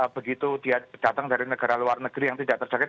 begitu dia datang dari negara luar negeri yang tidak terjangkit